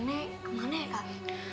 nek kemana ya kak